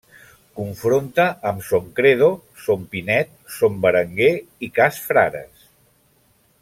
Confronta amb Son Credo, Son Pinet, Son Berenguer i Cas Frares.